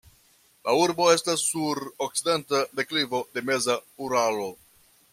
La urbo estas sur okcidenta deklivo de meza Uralo.